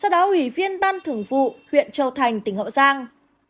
sau đó ủy viên ban thưởng vụ huyện châu thành tỉnh hậu giang